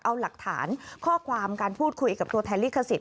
เอาหลักฐานข้อความการพูดคุยกับตัวแทนลิขสิทธ